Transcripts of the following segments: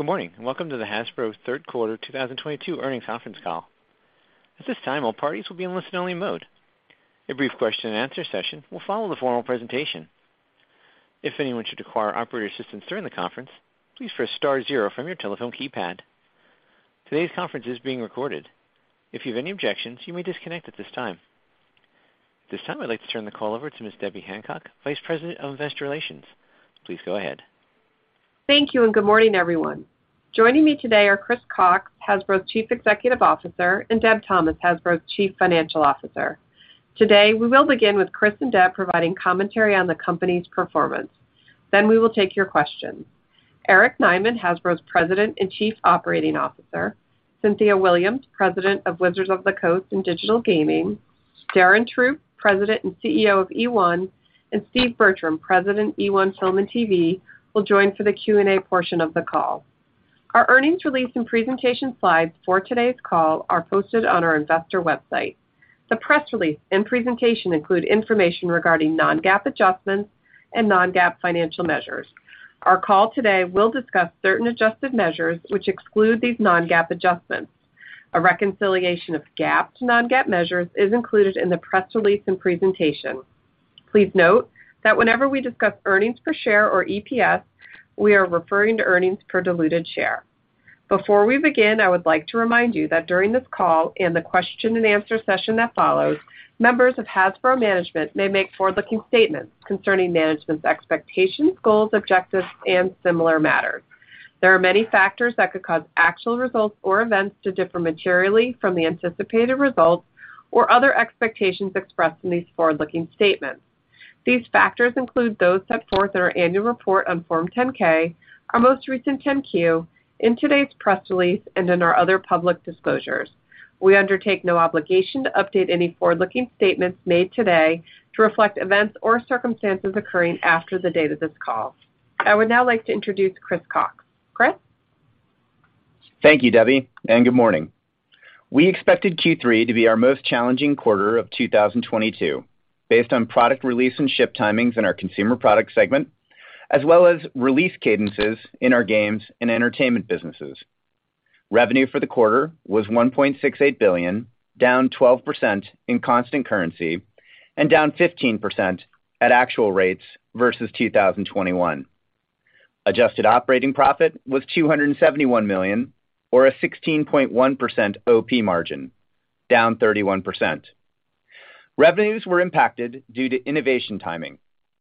Good morning, and welcome to the Hasbro Third Quarter 2022 Earnings Conference Call. At this time, all parties will be in listen-only mode. A brief question-and-answer session will follow the formal presentation. If anyone should require operator assistance during the conference, please press star zero from your telephone keypad. Today's conference is being recorded. If you have any objections, you may disconnect at this time. At this time, I'd like to turn the call over to Ms. Debbie Hancock, Vice President of Investor Relations. Please go ahead. Thank you, and good morning, everyone. Joining me today are Chris Cocks, Hasbro's Chief Executive Officer, and Deb Thomas, Hasbro's Chief Financial Officer. Today, we will begin with Chris and Deb providing commentary on the company's performance. We will take your questions. Eric Nyman, Hasbro's President and Chief Operating Officer, Cynthia Williams, President of Wizards of the Coast and Digital Gaming, Darren Throop, President and CEO of eOne, and Steve Bertram, President, eOne Film and TV, will join for the Q&A portion of the call. Our earnings release and presentation slides for today's call are posted on our investor website. The press release and presentation include information regarding non-GAAP adjustments and non-GAAP financial measures. Our call today will discuss certain adjusted measures which exclude these non-GAAP adjustments. A reconciliation of GAAP to non-GAAP measures is included in the press release and presentation. Please note that whenever we discuss earnings per share or EPS, we are referring to earnings per diluted share. Before we begin, I would like to remind you that during this call and the question-and-answer session that follows, members of Hasbro management may make forward-looking statements concerning management's expectations, goals, objectives, and similar matters. There are many factors that could cause actual results or events to differ materially from the anticipated results or other expectations expressed in these forward-looking statements. These factors include those set forth in our annual report on Form 10-K, our most recent 10-Q, in today's press release, and in our other public disclosures. We undertake no obligation to update any forward-looking statements made today to reflect events or circumstances occurring after the date of this call. I would now like to introduce Chris Cocks. Chris? Thank you, Debbie, and good morning. We expected Q3 to be our most challenging quarter of 2022 based on product release and ship timings in our consumer products segment, as well as release cadences in our games and entertainment businesses. Revenue for the quarter was $1.68 billion, down 12% in constant currency and down 15% at actual rates vs 2021. Adjusted operating profit was $271 million or a 16.1% OP margin, down 31%. Revenues were impacted due to innovation timing,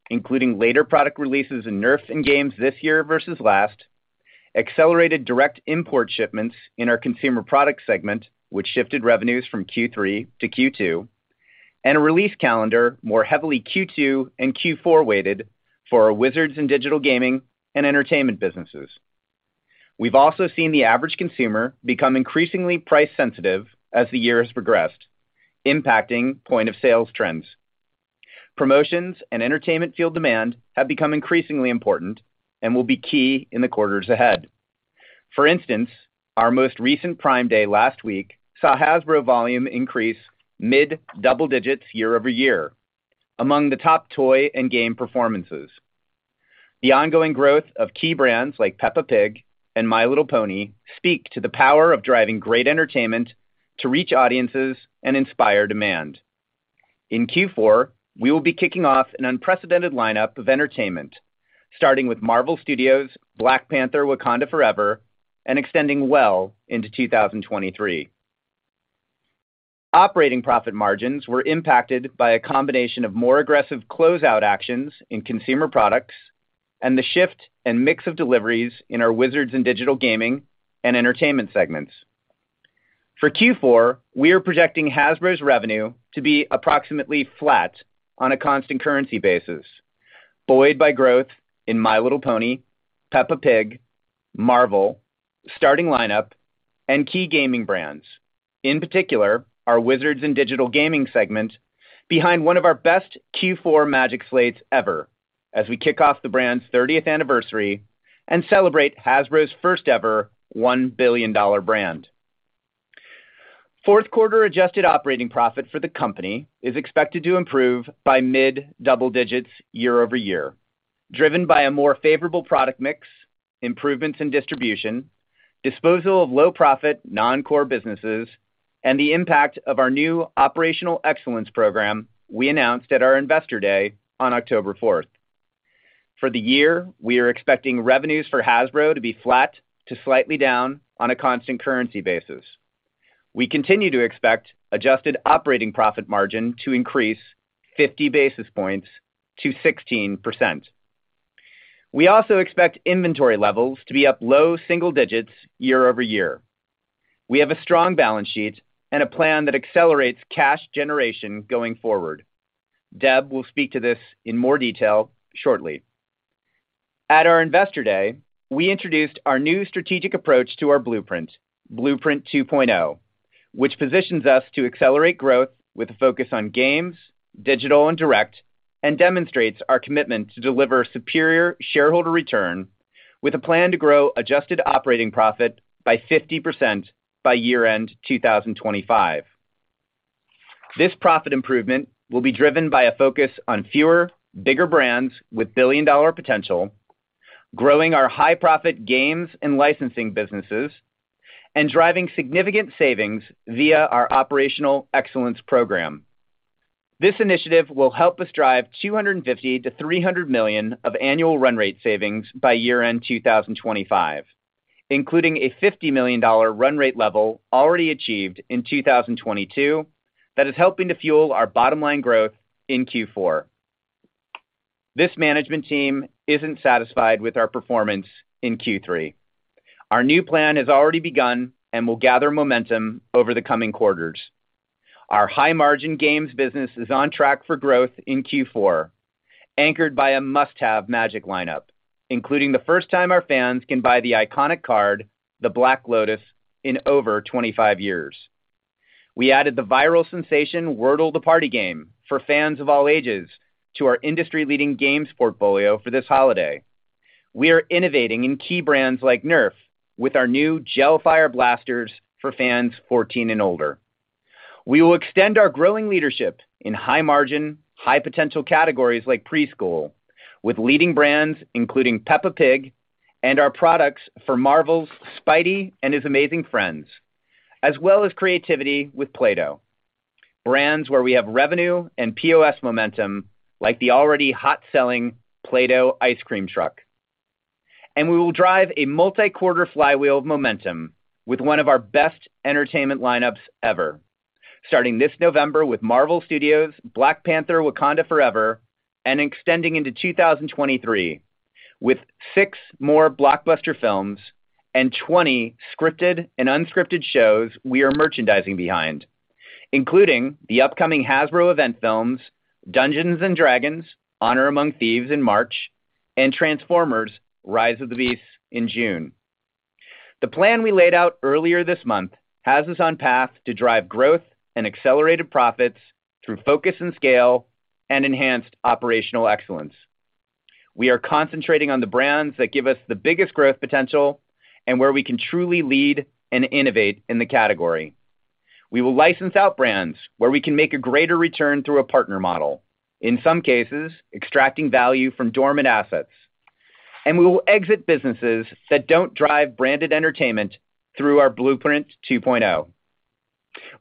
including later product releases in Nerf and Games this year vs last, accelerated direct import shipments in our consumer products segment, which shifted revenues from Q3 to Q2, and a release calendar more heavily Q2 and Q4-weighted for our Wizards and digital gaming and entertainment businesses. We've also seen the average consumer become increasingly price-sensitive as the year has progressed, impacting point-of-sale trends. Promotions and entertainment-fueled demand have become increasingly important and will be key in the quarters ahead. For instance, our most recent Prime Day last week saw Hasbro volume increase mid-double digits year-over-year among the top toy and game performances. The ongoing growth of key brands like Peppa Pig and My Little Pony speak to the power of driving great entertainment to reach audiences and inspire demand. In Q4, we will be kicking off an unprecedented lineup of entertainment, starting with Marvel Studios' Black Panther: Wakanda Forever and extending well into 2023. Operating profit margins were impacted by a combination of more aggressive closeout actions in consumer products and the shift in mix of deliveries in our Wizards and digital gaming and entertainment segments. For Q4, we are projecting Hasbro's revenue to be approximately flat on a constant currency basis, buoyed by growth in My Little Pony, Peppa Pig, Marvel, Starting Lineup, and key gaming brands, in particular, our Wizards and Digital Gaming segment behind one of our best Q4 Magic slates ever as we kick off the brand's 30th anniversary and celebrate Hasbro's first-ever $1 billion brand. Fourth quarter adjusted operating profit for the company is expected to improve by mid-double digits year-over-year, driven by a more favorable product mix, improvements in distribution, disposal of low-profit non-core businesses, and the impact of our new operational excellence program we announced at our Investor Day on October fourth. For the year, we are expecting revenues for Hasbro to be flat to slightly down on a constant currency basis. We continue to expect adjusted operating profit margin to increase 50 basis points to 16%. We also expect inventory levels to be up low single digits year-over-year. We have a strong balance sheet and a plan that accelerates cash generation going forward. Deb will speak to this in more detail shortly. At our Investor Day, we introduced our new strategic approach to our Blueprint 2.0, which positions us to accelerate growth with a focus on games, digital, and direct, and demonstrates our commitment to deliver superior shareholder return with a plan to grow adjusted operating profit by 50% by year-end 2025. This profit improvement will be driven by a focus on fewer, bigger brands with billion-dollar potential, growing our high-profit games and licensing businesses, and driving significant savings via our operational excellence program. This initiative will help us drive $250 million-$300 million of annual run rate savings by year-end 2025, including a $50 million run rate level already achieved in 2022 that is helping to fuel our bottom-line growth in Q4. This management team isn't satisfied with our performance in Q3. Our new plan has already begun and will gather momentum over the coming quarters. Our high-margin games business is on track for growth in Q4, anchored by a must-have Magic lineup, including the first time our fans can buy the iconic card, the Black Lotus, in over 25 years. We added the viral sensation Wordle: The Party Game for fans of all ages to our industry-leading games portfolio for this holiday. We are innovating in key brands like Nerf with our new gel-fire blasters for fans 14 and older. We will extend our growing leadership in high-margin, high-potential categories like preschool with leading brands, including Peppa Pig and our products for Marvel's Spidey and His Amazing Friends, as well as creativity with Play-Doh, brands where we have revenue and POS momentum, like the already hot-selling Play-Doh Ice Cream Truck. We will drive a multi-quarter flywheel of momentum with one of our best entertainment lineups ever, starting this November with Marvel Studios' Black Panther: Wakanda Forever and extending into 2023 with six more blockbuster films and 20 scripted and unscripted shows we are merchandising behind, including the upcoming Hasbro event films Dungeons & Dragons: Honor Among Thieves in March and Transformers: Rise of the Beasts in June. The plan we laid out earlier this month has us on path to drive growth and accelerated profits through focus and scale and enhanced operational excellence. We are concentrating on the brands that give us the biggest growth potential and where we can truly lead and innovate in the category. We will license out brands where we can make a greater return through a partner model, in some cases, extracting value from dormant assets, and we will exit businesses that don't drive branded entertainment through our Blueprint 2.0.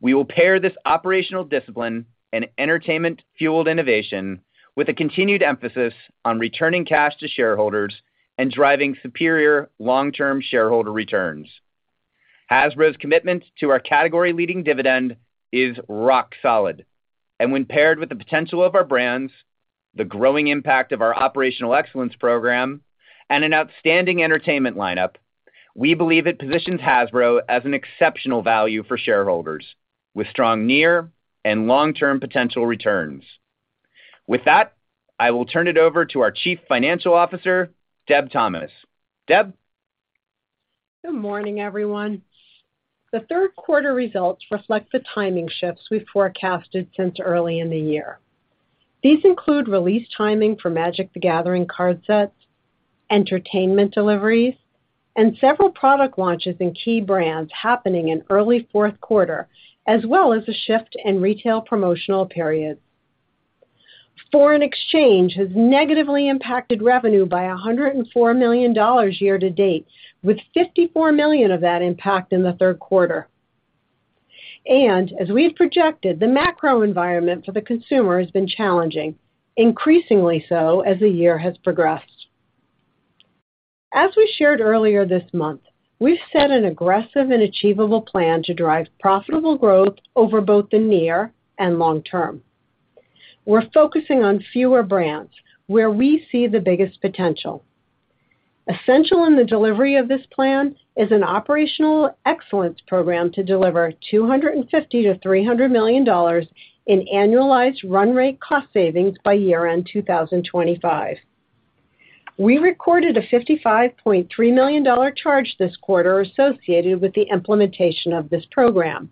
We will pair this operational discipline and entertainment-fueled innovation with a continued emphasis on returning cash to shareholders and driving superior long-term shareholder returns. Hasbro's commitment to our category-leading dividend is rock solid, and when paired with the potential of our brands, the growing impact of our operational excellence program, and an outstanding entertainment lineup, we believe it positions Hasbro as an exceptional value for shareholders with strong near and long-term potential returns. With that, I will turn it over to our Chief Financial Officer, Deb Thomas. Deb? Good morning, everyone. The third quarter results reflect the timing shifts we forecasted since early in the year. These include release timing for Magic: The Gathering card sets, entertainment deliveries, and several product launches in key brands happening in early fourth quarter, as well as a shift in retail promotional periods. Foreign exchange has negatively impacted revenue by $104 million year to date, with $54 million of that impact in the third quarter. As we've projected, the macro environment for the consumer has been challenging, increasingly so as the year has progressed. As we shared earlier this month, we've set an aggressive and achievable plan to drive profitable growth over both the near and long term. We're focusing on fewer brands where we see the biggest potential. Essential in the delivery of this plan is an operational excellence program to deliver $250 million-$300 million in annualized run rate cost savings by year-end 2025. We recorded a $55.3 million charge this quarter associated with the implementation of this program,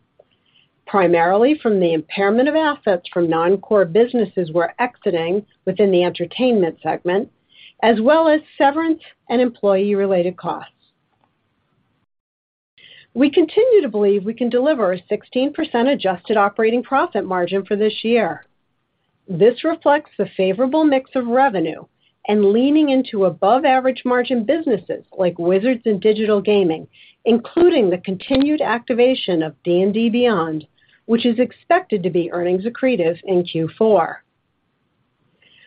primarily from the impairment of assets from non-core businesses we're exiting within the entertainment segment, as well as severance and employee-related costs. We continue to believe we can deliver a 16% adjusted operating profit margin for this year. This reflects the favorable mix of revenue and leaning into above-average margin businesses like Wizards and Digital Gaming, including the continued activation of D&D Beyond, which is expected to be earnings accretive in Q4.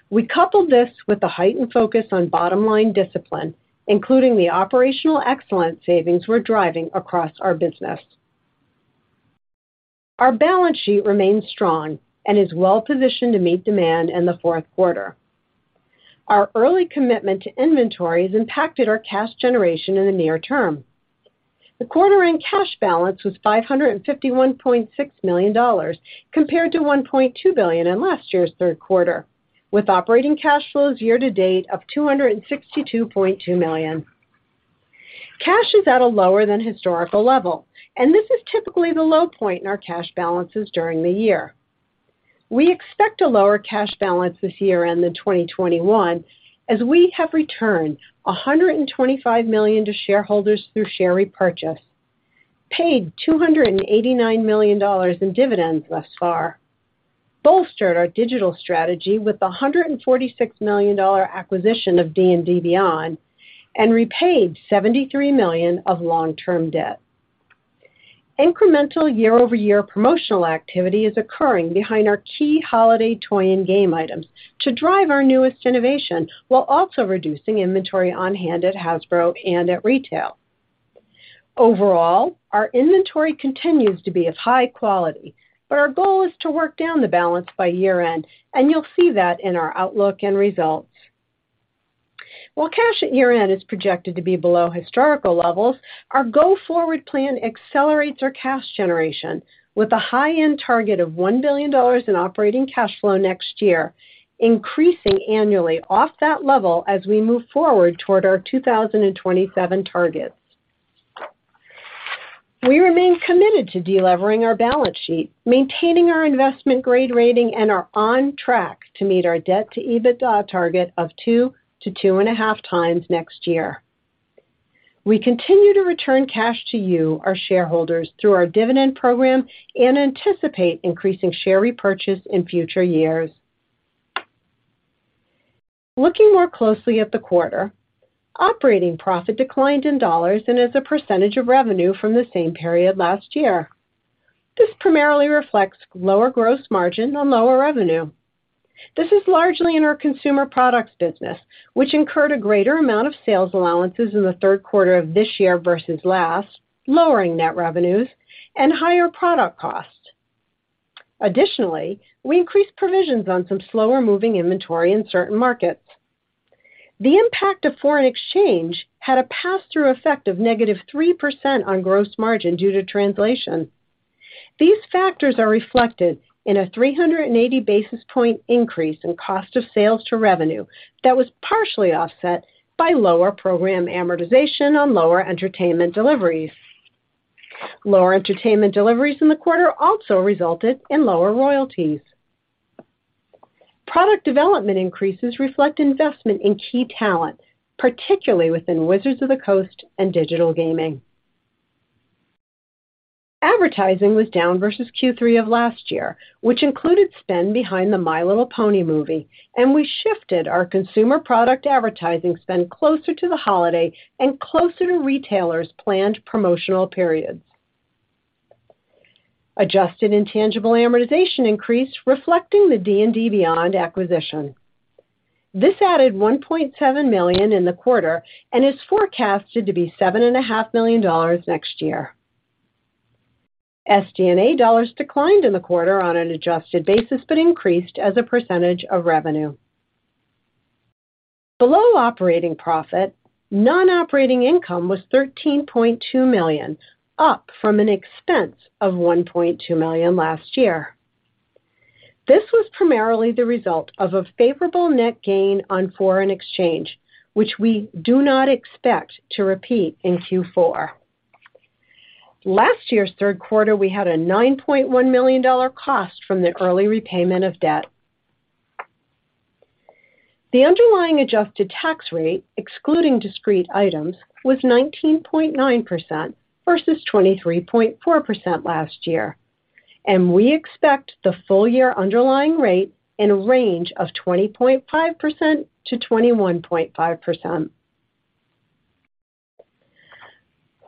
We couple this with a heightened focus on bottom-line discipline, including the operational excellence savings we're driving across our business. Our balance sheet remains strong and is well-positioned to meet demand in the fourth quarter. Our early commitment to inventories impacted our cash generation in the near term. The quarter-end cash balance was $551.6 million compared to $1.2 billion in last year's third quarter, with operating cash flows year to date of $262.2 million. Cash is at a lower than historical level, and this is typically the low point in our cash balances during the year. We expect a lower cash balance this year than 2021, as we have returned $125 million to shareholders through share repurchase, paid $289 million in dividends thus far, bolstered our digital strategy with a $146 million acquisition of D&D Beyond, and repaid $73 million of long-term debt. Incremental year-over-year promotional activity is occurring behind our key holiday toy and game items to drive our newest innovation while also reducing inventory on-hand at Hasbro and at retail. Overall, our inventory continues to be of high quality, but our goal is to work down the balance by year-end, and you'll see that in our outlook and results. While cash at year-end is projected to be below historical levels, our go-forward plan accelerates our cash generation with a high-end target of $1 billion in operating cash flow next year, increasing annually off that level as we move forward toward our 2027 targets. We remain committed to delevering our balance sheet, maintaining our investment grade rating, and are on track to meet our debt-to-EBITDA target of 2-2.5x next year. We continue to return cash to you, our shareholders, through our dividend program and anticipate increasing share repurchase in future years. Looking more closely at the quarter, operating profit declined in dollars and as a percentage of revenue from the same period last year. This primarily reflects lower gross margin on lower revenue. This is largely in our consumer products business, which incurred a greater amount of sales allowances in the third quarter of this year vs last, lowering net revenues and higher product costs. Additionally, we increased provisions on some slower moving inventory in certain markets. The impact of foreign exchange had a pass-through effect of -3% on gross margin due to translation. These factors are reflected in a 380 basis point increase in cost of sales to revenue that was partially offset by lower program amortization on lower entertainment deliveries. Lower entertainment deliveries in the quarter also resulted in lower royalties. Product development increases reflect investment in key talent, particularly within Wizards of the Coast and digital gaming. Advertising was down vs Q3 of last year, which included spend behind the My Little Pony movie, and we shifted our consumer product advertising spend closer to the holiday and closer to retailers' planned promotional periods. Adjusted intangible amortization increased, reflecting the D&D Beyond acquisition. This added $1.7 million in the quarter and is forecasted to be $7.5 million next year. SD&A dollars declined in the quarter on an adjusted basis, but increased as a percentage of revenue. Below operating profit, non-operating income was $13.2 million, up from an expense of $1.2 million last year. This was primarily the result of a favorable net gain on foreign exchange, which we do not expect to repeat in Q4. Last year's third quarter, we had a $9.1 million cost from the early repayment of debt. The underlying adjusted tax rate, excluding discrete items, was 19.9% vs 23.4% last year. We expect the full year underlying rate in a range of 20.5%-21.5%.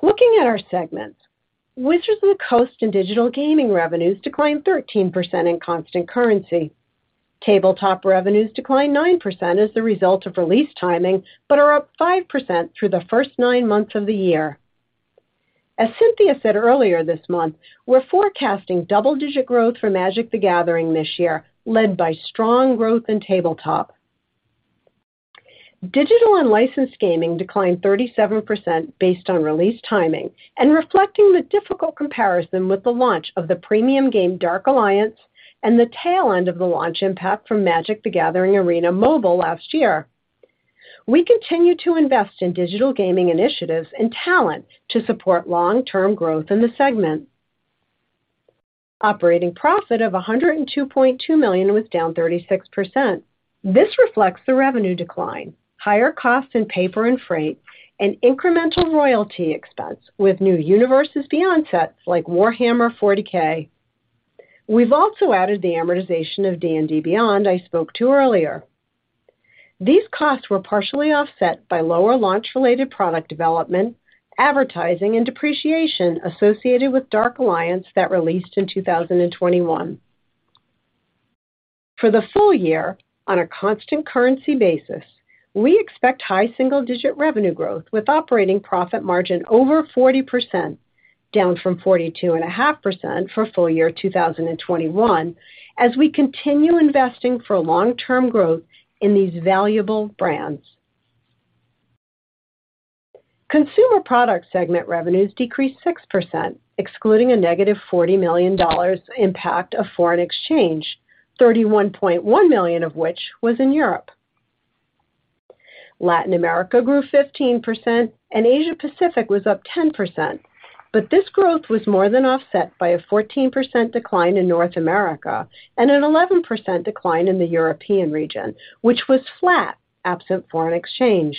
Looking at our segments, Wizards of the Coast and Digital Gaming revenues declined 13% in constant currency. Tabletop revenues declined 9% as a result of release timing, but are up 5% through the first nine months of the year. As Cynthia said earlier this month, we're forecasting double-digit growth for Magic: The Gathering this year, led by strong growth in tabletop. Digital and licensed gaming declined 37% based on release timing and reflecting the difficult comparison with the launch of the premium game Dark Alliance and the tail end of the launch impact from Magic: The Gathering Arena Mobile last year. We continue to invest in digital gaming initiatives and talent to support long-term growth in the segment. Operating profit of $102.2 million was down 36%. This reflects the revenue decline, higher costs in paper and freight, and incremental royalty expense with new Universes Beyond sets like Warhammer 40,000. We've also added the amortization of D&D Beyond I spoke to earlier. These costs were partially offset by lower launch-related product development, advertising, and depreciation associated with Dark Alliance that released in 2021. For the full year, on a constant currency basis, we expect high single-digit revenue growth with operating profit margin over 40%, down from 42.5% for full year 2021, as we continue investing for long-term growth in these valuable brands. Consumer product segment revenues decreased 6%, excluding a negative $40 million impact of foreign exchange, $31.1 million of which was in Europe. Latin America grew 15% and Asia Pacific was up 10%. This growth was more than offset by a 14% decline in North America and an 11% decline in the European region, which was flat absent foreign exchange.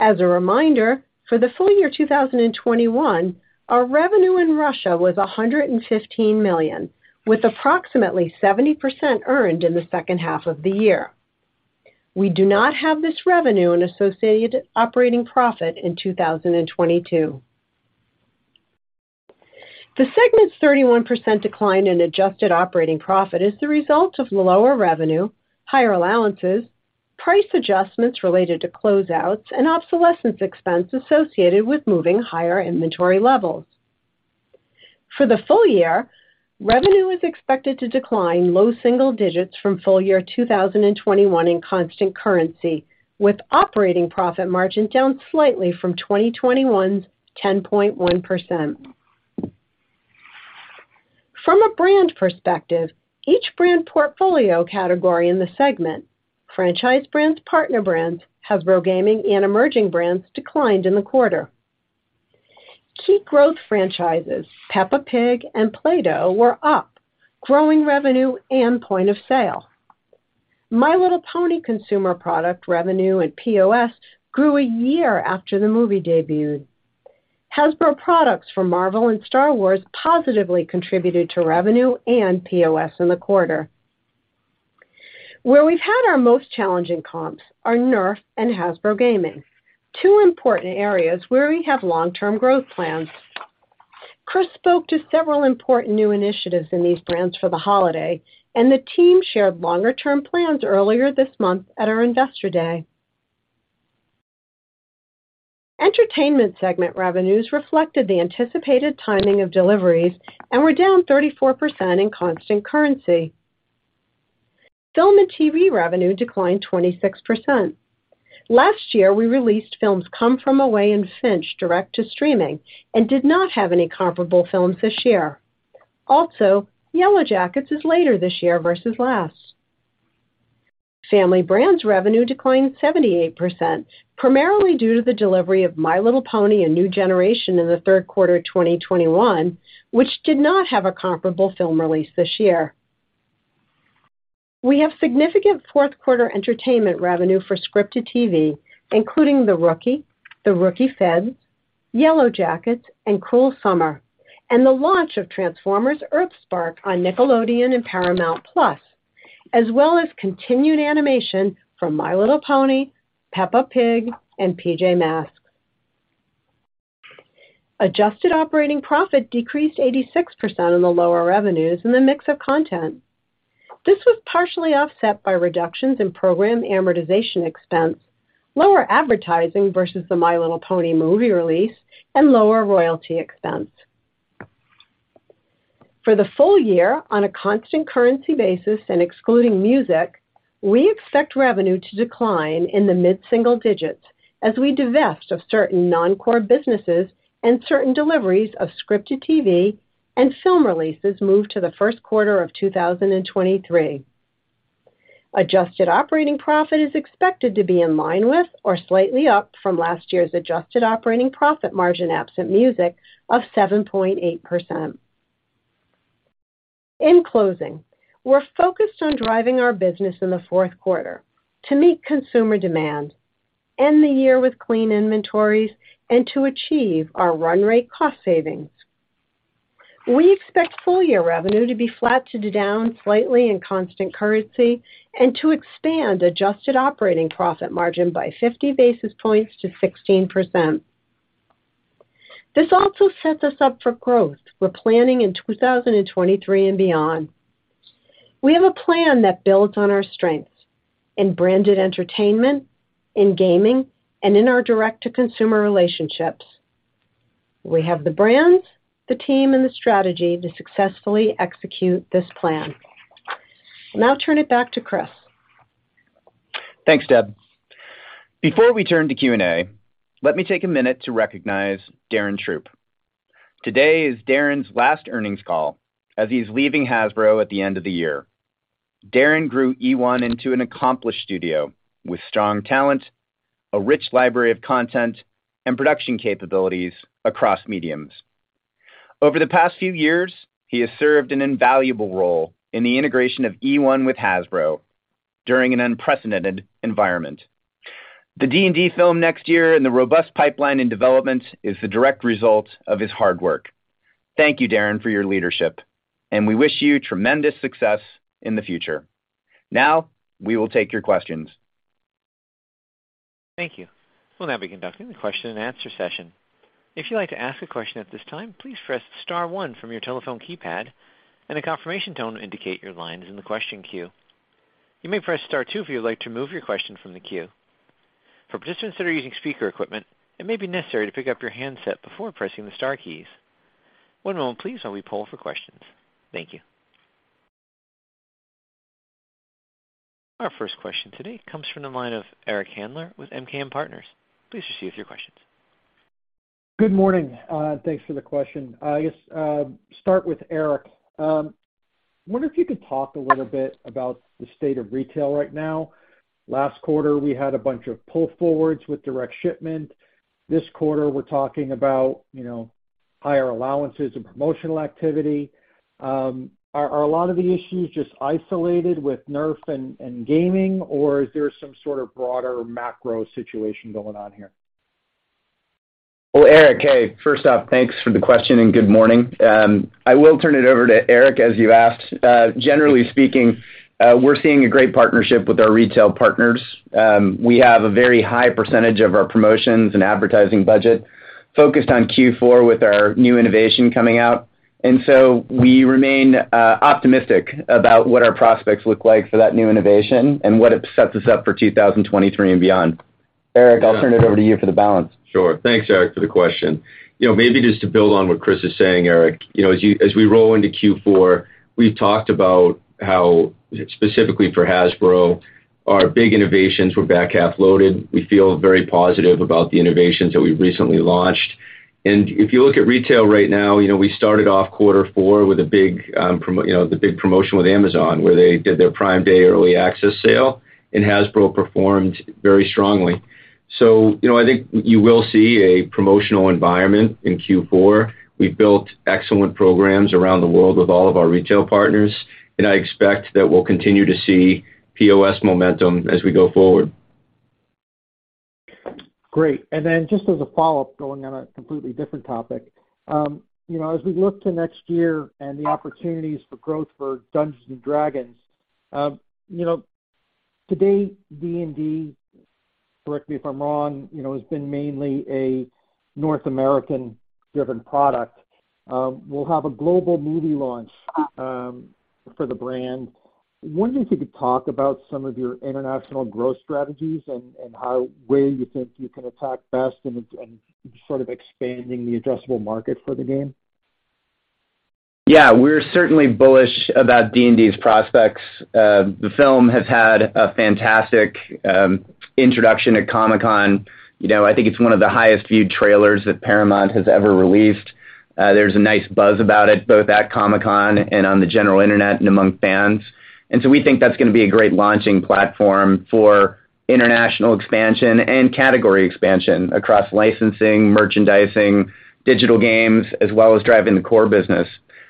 As a reminder, for the full year 2021, our revenue in Russia was $115 million, with approximately 70% earned in the second half of the year. We do not have this revenue and associated operating profit in 2022. The segment's 31% decline in adjusted operating profit is the result of lower revenue, higher allowances, price adjustments related to closeouts, and obsolescence expense associated with moving higher inventory levels. For the full year, revenue is expected to decline low single digits from full year 2021 in constant currency, with operating profit margin down slightly from 2021's 10.1%. From a brand perspective, each brand portfolio category in the segment, Franchise Brands, Partner Brands, Hasbro Gaming and Emerging Brands declined in the quarter. Key growth franchises Peppa Pig and Play-Doh were up, growing revenue and point of sale. My Little Pony consumer product revenue and POS grew a year after the movie debuted. Hasbro products from Marvel and Star Wars positively contributed to revenue and POS in the quarter. Where we've had our most challenging comps are Nerf and Hasbro Gaming, two important areas where we have long-term growth plans. Chris spoke to several important new initiatives in these brands for the holiday, and the team shared longer-term plans earlier this month at our Investor Day. Entertainment segment revenues reflected the anticipated timing of deliveries and were down 34% in constant currency. Film and TV revenue declined 26%. Last year, we released films Come From Away and Finch direct to streaming and did not have any comparable films this year. Also, Yellowjackets is later this year vs last. Family Brands revenue declined 78%, primarily due to the delivery of My Little Pony: A New Generation in the third quarter of 2021, which did not have a comparable film release this year. We have significant fourth quarter entertainment revenue for scripted TV, including The Rookie, The Rookie: Feds, Yellowjackets, and Cruel Summer, and the launch of Transformers: EarthSpark on Nickelodeon and Paramount+, as well as continued animation from My Little Pony, Peppa Pig, and PJ Masks. Adjusted operating profit decreased 86% on the lower revenues and the mix of content. This was partially offset by reductions in program amortization expense, lower advertising vs the My Little Pony movie release, and lower royalty expense. For the full year, on a constant currency basis and excluding music, we expect revenue to decline in the mid-single digits as we divest of certain non-core businesses and certain deliveries of scripted TV and film releases move to the first quarter of 2023. Adjusted operating profit is expected to be in line with or slightly up from last year's adjusted operating profit margin absent music of 7.8%. In closing, we're focused on driving our business in the fourth quarter to meet consumer demand, end the year with clean inventories and to achieve our run rate cost savings. We expect full year revenue to be flat to down slightly in constant currency and to expand adjusted operating profit margin by 50 basis points to 16%. This also sets us up for growth we're planning in 2023 and beyond. We have a plan that builds on our strengths in branded entertainment, in gaming, and in our direct-to-consumer relationships. We have the brands, the team, and the strategy to successfully execute this plan. I'll now turn it back to Chris. Thanks, Deb. Before we turn to Q&A, let me take a minute to recognize Darren Throop. Today is Darren's last earnings call as he's leaving Hasbro at the end of the year. Darren grew eOne into an accomplished studio with strong talent, a rich library of content, and production capabilities across mediums. Over the past few years, he has served an invaluable role in the integration of eOne with Hasbro during an unprecedented environment. The D&D film next year and the robust pipeline in development is the direct result of his hard work. Thank you, Darren, for your leadership, and we wish you tremendous success in the future. Now we will take your questions. Thank you. We'll now be conducting the question and answer session. If you'd like to ask a question at this time, please press star one from your telephone keypad and a confirmation tone will indicate your line is in the question queue. You may press star two if you would like to move your question from the queue. For participants that are using speaker equipment, it may be necessary to pick up your handset before pressing the star keys. One moment please while we poll for questions. Thank you. Our first question today comes from the line of Eric Handler with MKM Partners. Please proceed with your questions. Good morning. Thanks for the question. I guess, start with Eric. Wonder if you could talk a little bit about the state of retail right now. Last quarter, we had a bunch of pull forwards with direct shipment. This quarter, we're talking about, you know, higher allowances and promotional activity. Are a lot of the issues just isolated with Nerf and gaming, or is there some sort of broader macro situation going on here? Well, Eric, hey, first off, thanks for the question, and good morning. I will turn it over to Eric, as you asked. Generally speaking, we're seeing a great partnership with our retail partners. We have a very high percentage of our promotions and advertising budget focused on Q4 with our new innovation coming out. We remain optimistic about what our prospects look like for that new innovation and what it sets us up for 2023 and beyond. Eric, I'll turn it over to you for the balance. Sure. Thanks, Eric, for the question. You know, maybe just to build on what Chris is saying, Eric. You know, as we roll into Q4, we talked about how, specifically for Hasbro, our big innovations were back half loaded. We feel very positive about the innovations that we recently launched. If you look at retail right now, you know, we started off quarter four with a big promotion with Amazon, where they did their Prime Day early access sale, and Hasbro performed very strongly. You know, I think you will see a promotional environment in Q4. We've built excellent programs around the world with all of our retail partners, and I expect that we'll continue to see POS momentum as we go forward. Great. Just as a follow-up, going on a completely different topic, you know, as we look to next year and the opportunities for growth for Dungeons & Dragons, you know, today, D&D, correct me if I'm wrong, you know, has been mainly a North American-driven product. We'll have a global movie launch for the brand. Wondering if you could talk about some of your international growth strategies and how where you think you can attack best and sort of expanding the addressable market for the game. Yeah. We're certainly bullish about D&D's prospects. The film has had a fantastic introduction at Comic-Con. You know, I think it's one of the highest viewed trailers that Paramount has ever released. There's a nice buzz about it, both at Comic-Con and on the general internet and among fans. We think that's gonna be a great launching platform for international expansion and category expansion across licensing, merchandising, digital games, as well as driving the core business.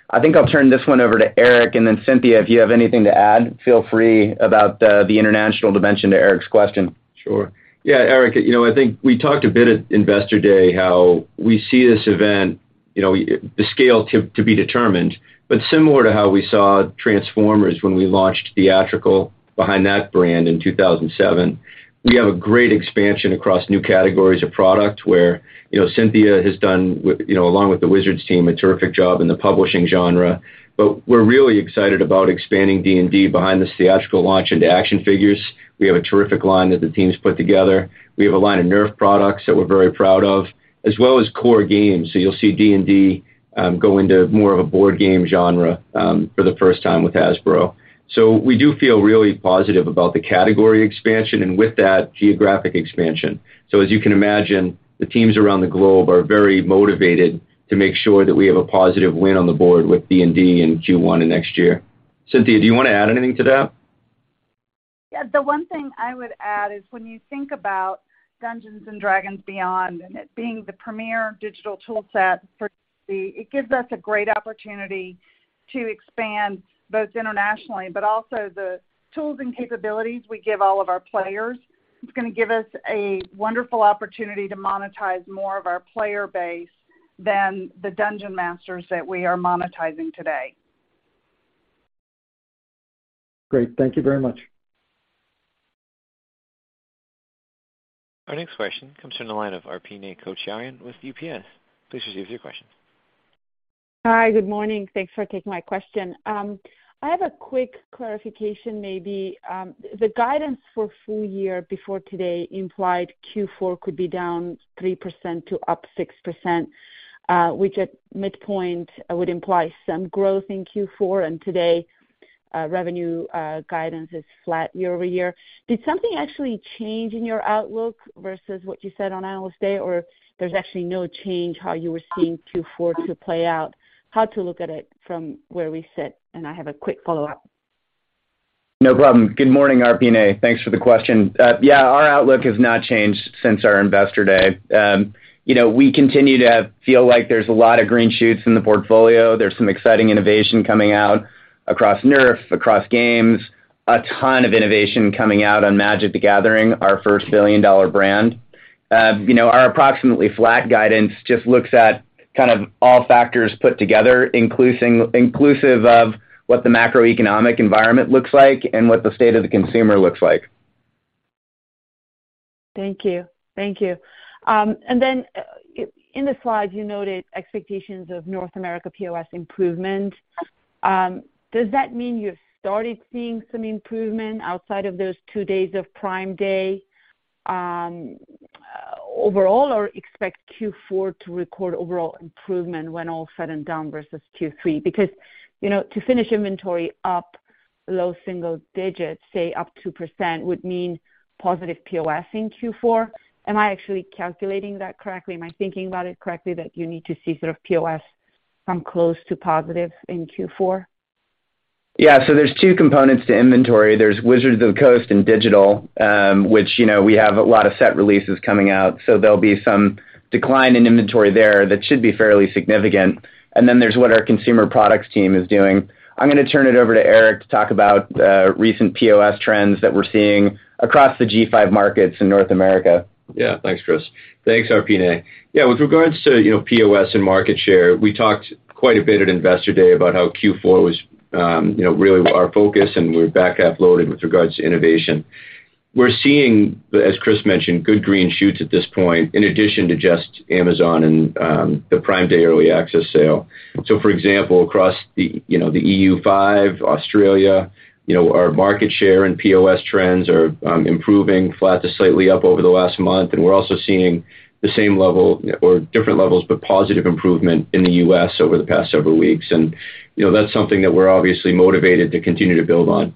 I think I'll turn this one over to Eric, and then, Cynthia, if you have anything to add, feel free, about the international dimension to Eric's question. Sure. Yeah, Eric, you know, I think we talked a bit at Investor Day how we see this event, you know, the scale to be determined, but similar to how we saw Transformers when we launched theatrical behind that brand in 2007. We have a great expansion across new categories of product where, you know, Cynthia has done with, you know, along with the Wizards team, a terrific job in the publishing genre. We're really excited about expanding D&D behind the theatrical launch into action figures. We have a terrific line that the teams put together. We have a line of Nerf products that we're very proud of, as well as core games. You'll see D&D go into more of a board game genre for the first time with Hasbro. We do feel really positive about the category expansion and, with that, geographic expansion. As you can imagine, the teams around the globe are very motivated to make sure that we have a positive win on the board with D&D in Q1 of next year. Cynthia, do you wanna add anything to that? Yeah. The one thing I would add is when you think about Dungeons & Dragons Beyond and it being the premier digital toolset for D&D, it gives us a great opportunity to expand both internationally, but also the tools and capabilities we give all of our players. It's gonna give us a wonderful opportunity to monetize more of our player base than the Dungeon Masters that we are monetizing today. Great. Thank you very much. Our next question comes from the line of Arpiné Kocharian with UBS. Please proceed with your question. Hi. Good morning. Thanks for taking my question. I have a quick clarification maybe. The guidance for full year before today implied Q4 could be down 3% to up 6%, which at midpoint would imply some growth in Q4, and today, revenue guidance is flat year-over-year. Did something actually change in your outlook vs what you said on Analyst Day, or there's actually no change how you were seeing Q4 to play out? How to look at it from where we sit? I have a quick follow-up. No problem. Good morning, Arpiné. Thanks for the question. Our outlook has not changed since our Investor Day. You know, we continue to feel like there's a lot of green shoots in the portfolio. There's some exciting innovation coming out across Nerf, across games, a ton of innovation coming out on Magic: The Gathering, our first billion-dollar brand. You know, our approximately flat guidance just looks at kind of all factors put together, inclusive of what the macroeconomic environment looks like and what the state of the consumer looks like. Thank you. In the slides, you noted expectations of North America POS improvement. Does that mean you've started seeing some improvement outside of those two days of Prime Day, overall, or expect Q4 to record overall improvement when all said and done vs Q3? Because, you know, to finish inventory up, low single digits, say up 2% would mean positive POS in Q4. Am I actually calculating that correctly? Am I thinking about it correctly that you need to see sort of POS from close to positive in Q4? Yeah. There's two components to inventory. There's Wizards of the Coast and digital, which, you know, we have a lot of set releases coming out, so there'll be some decline in inventory there that should be fairly significant. Then there's what our consumer products team is doing. I'm gonna turn it over to Eric to talk about recent POS trends that we're seeing across the G5 markets in North America. Yeah. Thanks, Chris. Thanks, Arpiné. Yeah, with regards to, you know, POS and market share, we talked quite a bit at Investor Day about how Q4 was, you know, really our focus, and we're back half loaded with regards to innovation. We're seeing, as Chris mentioned, good green shoots at this point, in addition to just Amazon and the Prime Day Early Access sale. For example, across the, you know, the EU five, Australia, you know, our market share and POS trends are improving flat to slightly up over the last month. We're also seeing the same level or different levels, but positive improvement in the U.S. over the past several weeks. You know, that's something that we're obviously motivated to continue to build on.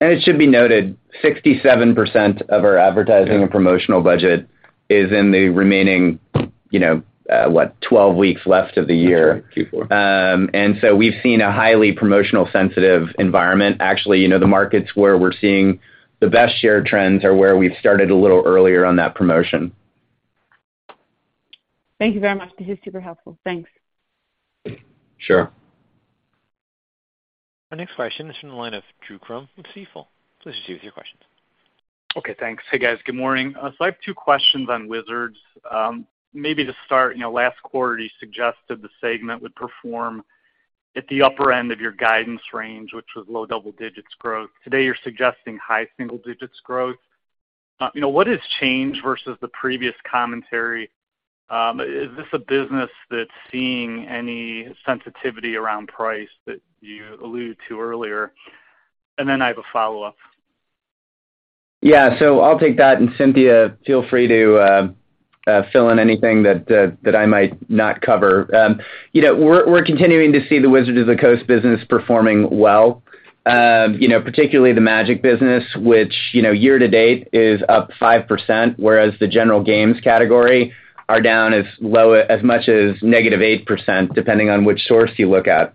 It should be noted, 67% of our advertising- Yeah. Promotional budget is in the remaining, you know, what, 12 weeks left of the year. Q4. We've seen a highly promotion-sensitive environment. Actually, you know, the markets where we're seeing the best share trends are where we've started a little earlier on that promotion. Thank you very much. This is super helpful. Thanks. Sure. Our next question is from the line of Drew Crum from Stifel. Please proceed with your questions. Okay, thanks. Hey, guys. Good morning. I have two questions on Wizards. Maybe to start, you know, last quarter, you suggested the segment would perform at the upper end of your guidance range, which was low double digits growth. Today, you're suggesting high single digits growth. You know, what has changed vs the previous commentary? Is this a business that's seeing any sensitivity around price that you alluded to earlier? And then I have a follow-up. Yeah. I'll take that, and Cynthia, feel free to fill in anything that I might not cover. You know, we're continuing to see the Wizards of the Coast business performing well, you know, particularly the Magic business, which, you know, year to date is up 5%, whereas the general games category are down as low as much as -8%, depending on which source you look at.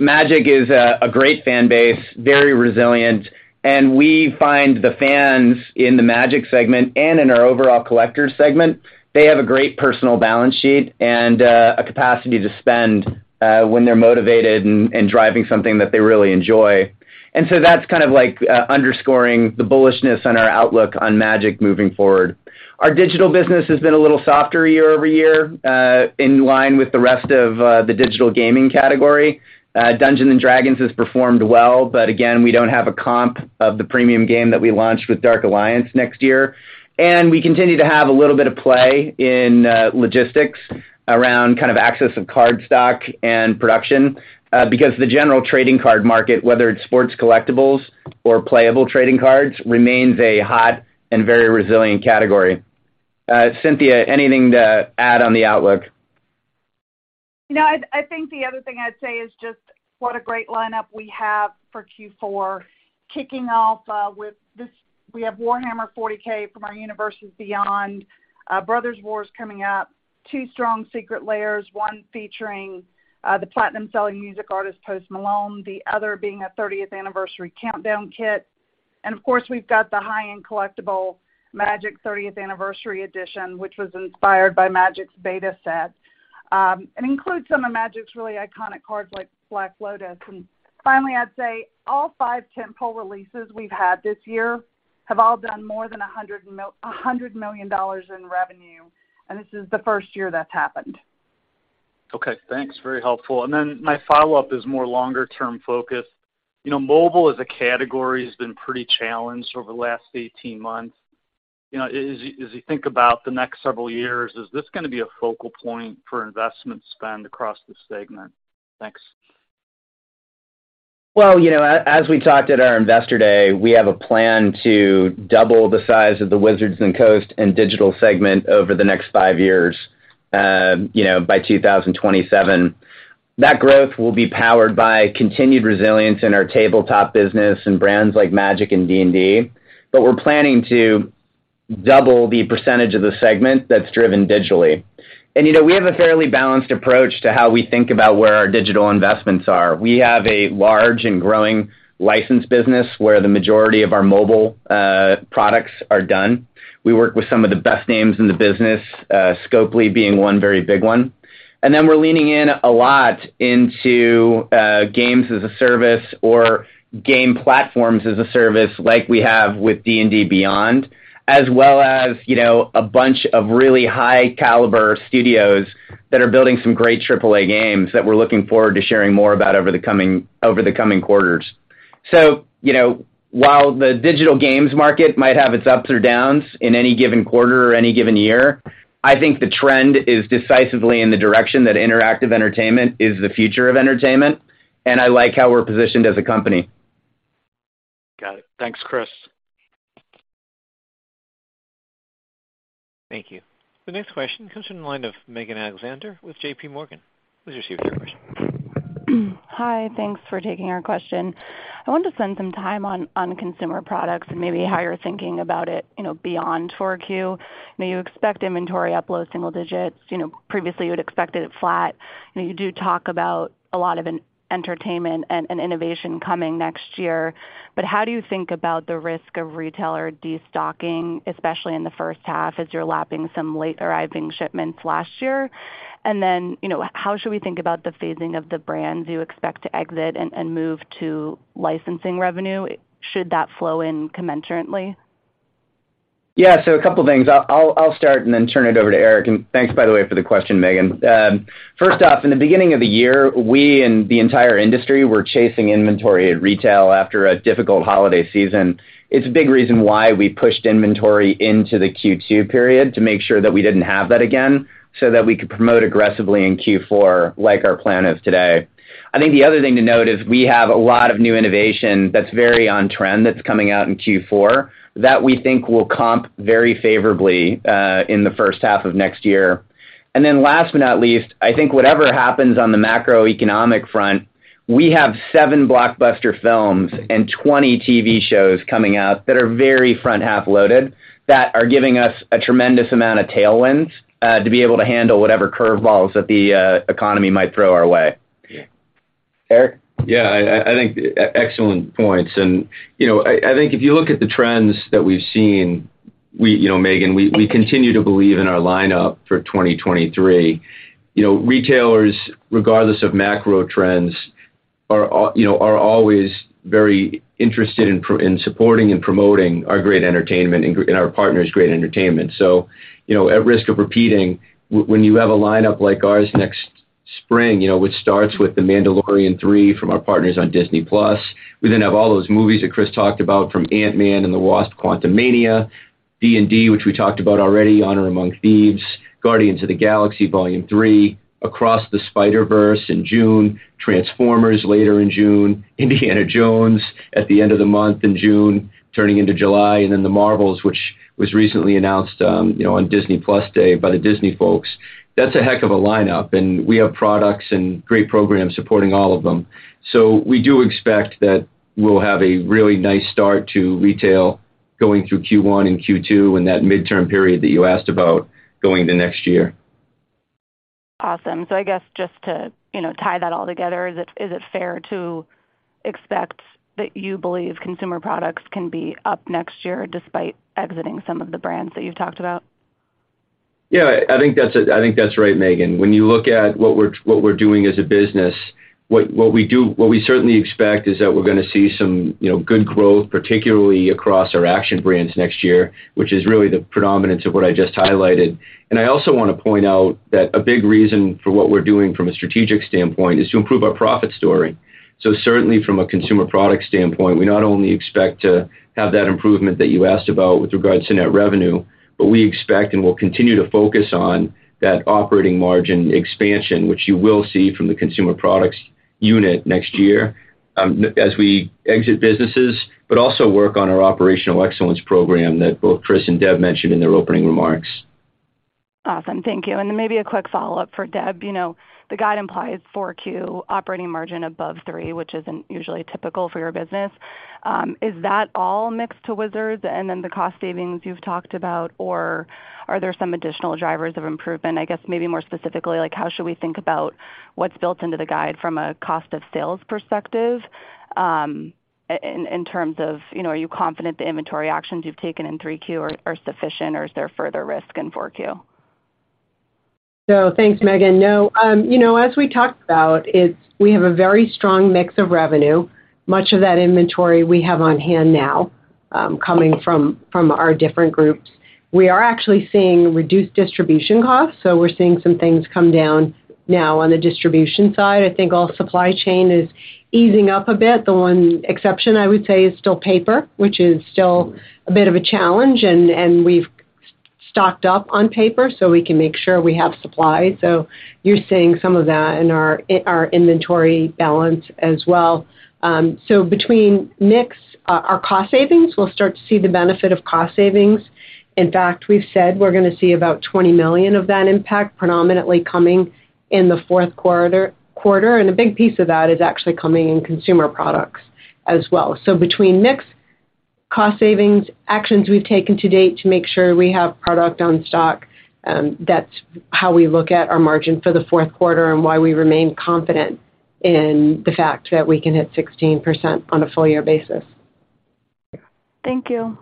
Magic is a great fan base, very resilient, and we find the fans in the Magic segment and in our overall collector segment, they have a great personal balance sheet and a capacity to spend, when they're motivated and driving something that they really enjoy. That's kind of like underscoring the bullishness on our outlook on Magic moving forward. Our digital business has been a little softer year-over-year, in line with the rest of the digital gaming category. Dungeons & Dragons has performed well, but again, we don't have a comp of the premium game that we launched with Dark Alliance next year. We continue to have a little bit of play in logistics around kind of access to card stock and production, because the general trading card market, whether it's sports collectibles or playable trading cards, remains a hot and very resilient category. Cynthia, anything to add on the outlook? No, I think the other thing I'd say is just what a great lineup we have for Q4, kicking off with this. We have Warhammer 40,000 from our Universes Beyond, The Brothers' War coming up, two strong Secret Lair, one featuring the platinum-selling music artist, Post Malone, the other being a 30th anniversary countdown kit. Of course, we've got the high-end collectible Magic 30th Anniversary Edition, which was inspired by Magic's beta set. It includes some of Magic's really iconic cards like Black Lotus. Finally, I'd say all five tentpole releases we've had this year have all done more than $100 million in revenue, and this is the first year that's happened. Okay, thanks. Very helpful. My follow-up is more longer term focus. You know, mobile as a category has been pretty challenged over the last 18 months. You know, as you think about the next several years, is this gonna be a focal point for investment spend across the segment? Thanks. Well, you know, as we talked at our Investor Day, we have a plan to double the size of the Wizards of the Coast and digital segment over the next 5 years, you know, by 2027. That growth will be powered by continued resilience in our tabletop business and brands like Magic and D&D. We're planning to double the percentage of the segment that's driven digitally. You know, we have a fairly balanced approach to how we think about where our digital investments are. We have a large and growing licensed business where the majority of our mobile products are done. We work with some of the best names in the business, Scopely being one very big one. We're leaning in a lot into games as a service or game platforms as a service like we have with D&D Beyond, as well as, you know, a bunch of really high caliber studios that are building some great AAA games that we're looking forward to sharing more about over the coming quarters. You know, while the digital games market might have its ups or downs in any given quarter or any given year, I think the trend is decisively in the direction that interactive entertainment is the future of entertainment, and I like how we're positioned as a company. Got it. Thanks, Chris. Thank you. The next question comes from the line of Megan Alexander with JPMorgan. Please proceed with your questions. Hi. Thanks for taking our question. I want to spend some time on consumer products and maybe how you're thinking about it, you know, beyond 4Q. Now you expect inventory up low single digits. You know, previously you had expected it flat. You know, you do talk about a lot of entertainment and innovation coming next year. But how do you think about the risk of retailer destocking, especially in the first half, as you're lapping some late arriving shipments last year? And then, you know, how should we think about the phasing of the brands you expect to exit and move to licensing revenue? Should that flow in commensurately? Yeah. A couple of things. I'll start and then turn it over to Eric. Thanks by the way for the question, Megan. First off, in the beginning of the year, we and the entire industry were chasing inventory at retail after a difficult holiday season. It's a big reason why we pushed inventory into the Q2 period to make sure that we didn't have that again so that we could promote aggressively in Q4 like our plan is today. I think the other thing to note is we have a lot of new innovation that's very on trend that's coming out in Q4 that we think will comp very favorably in the first half of next year. Last but not least, I think whatever happens on the macroeconomic front, we have seven blockbuster films and 20 TV shows coming out that are very front half loaded that are giving us a tremendous amount of tailwinds to be able to handle whatever curveballs that the economy might throw our way. Eric. Yeah. I think excellent points. You know, I think if you look at the trends that we've seen, you know, Megan, we continue to believe in our lineup for 2023. You know, retailers, regardless of macro trends, you know, are always very interested in supporting and promoting our great entertainment and our partners' great entertainment. You know, at risk of repeating, when you have a lineup like ours next spring, you know, which starts with The Mandalorian 3 from our partners on Disney+. We have all those movies that Chris talked about from Ant-Man and the Wasp: Quantumania, D&D, which we talked about already, Honor Among Thieves, Guardians of the Galaxy Vol. 3, Spider-Man: Across the Spider-Verse in June, Transformers: Rise of the Beasts later in June, Indiana Jones at the end of the month in June, turning into July, and then The Marvels, which was recently announced, on Disney+ Day by the Disney folks. That's a heck of a lineup, and we have products and great programs supporting all of them. We do expect that we'll have a really nice start to retail going through Q1 and Q2 in that midterm period that you asked about going into next year. Awesome. I guess just to, you know, tie that all together, is it fair to expect that you believe consumer products can be up next year despite exiting some of the brands that you've talked about? Yeah, I think that's right, Megan. When you look at what we're doing as a business, what we certainly expect is that we're going to see some, you know, good growth, particularly across our action brands next year, which is really the predominance of what I just highlighted. I also want to point out that a big reason for what we're doing from a strategic standpoint is to improve our profit story. Certainly from a consumer product standpoint, we not only expect to have that improvement that you asked about with regards to net revenue, but we expect and will continue to focus on that operating margin expansion, which you will see from the consumer products unit next year, as we exit businesses, but also work on our operational excellence program that both Chris and Deb mentioned in their opening remarks. Awesome. Thank you. Maybe a quick follow-up for Deb. You know, the guide implies 4Q operating margin above 3%, which isn't usually typical for your business. Is that all mix to Wizards and then the cost savings you've talked about? Or are there some additional drivers of improvement? I guess maybe more specifically, like how should we think about what's built into the guide from a cost of sales perspective, in terms of, you know, are you confident the inventory actions you've taken in 3Q are sufficient or is there further risk in 4Q? Thanks, Megan. No, you know, as we talked about, we have a very strong mix of revenue. Much of that inventory we have on hand now, coming from our different groups. We are actually seeing reduced distribution costs, so we're seeing some things come down now on the distribution side. I think all supply chain is easing up a bit. The one exception I would say is still paper, which is still a bit of a challenge, and we've stocked up on paper, so we can make sure we have supply. You're seeing some of that in our inventory balance as well. Between mix, our cost savings, we'll start to see the benefit of cost savings. In fact, we've said we're going to see about $20 million of that impact predominantly coming in the fourth quarter. A big piece of that is actually coming in consumer products as well. Between mix, cost savings, actions we've taken to date to make sure we have product on stock, that's how we look at our margin for the fourth quarter and why we remain confident in the fact that we can hit 16% on a full year basis. Thank you.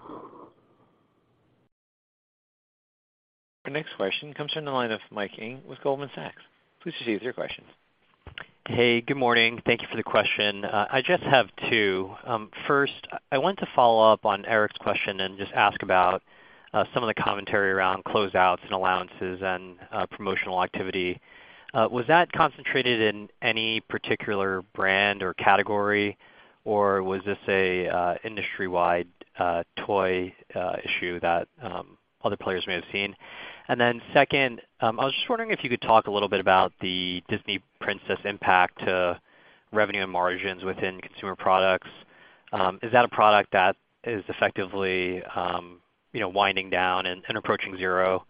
Our next question comes from the line of Michael Ng with Goldman Sachs. Please proceed with your question. Hey, good morning. Thank you for the question. I just have two. First, I want to follow up on Eric's question and just ask about some of the commentary around closed outs and allowances and promotional activity. Was that concentrated in any particular brand or category, or was this a industry-wide toy issue that other players may have seen? And then second, I was just wondering if you could talk a little bit about the Disney Princess impact to revenue and margins within consumer products. Is that a product that is effectively you know winding down and approaching zero?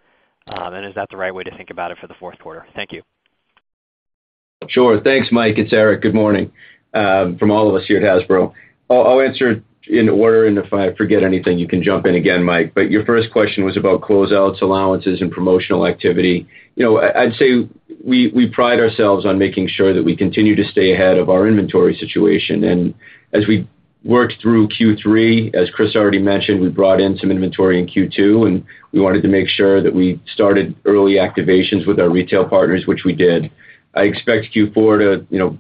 And is that the right way to think about it for the fourth quarter? Thank you. Sure. Thanks, Mike. It's Eric. Good morning from all of us here at Hasbro. I'll answer in order, and if I forget anything, you can jump in again, Mike. Your first question was about close-outs, allowances, and promotional activity. You know, I'd say we pride ourselves on making sure that we continue to stay ahead of our inventory situation. As we work through Q3, as Chris already mentioned, we brought in some inventory in Q2, and we wanted to make sure that we started early activations with our retail partners, which we did. I expect Q4 to, you know,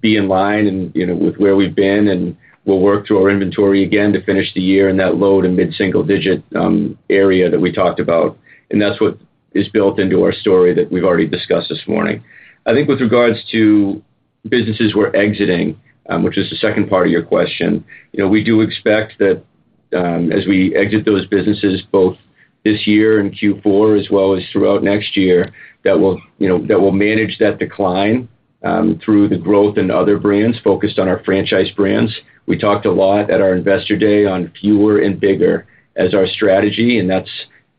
be in line and, you know, with where we've been, and we'll work through our inventory again to finish the year in that low to mid-single digit area that we talked about. That's what is built into our story that we've already discussed this morning. I think with regards to businesses we're exiting, which is the second part of your question, you know, we do expect that, as we exit those businesses, both this year in Q4 as well as throughout next year, that we'll, you know, manage that decline, through the growth in other brands focused on our Franchise Brands. We talked a lot at our investor day on fewer and bigger as our strategy, and that's